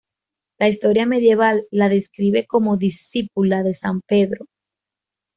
La Historia medieval la describe como discípula de san Pedro.